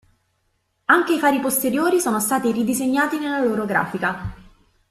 Anche i fari posteriori sono stati ridisegnati nella loro grafica.